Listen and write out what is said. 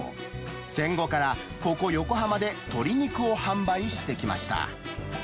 戦後から、ここ横浜で鶏肉を販売してきました。